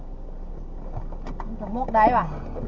มันจะมกได้ป่ะ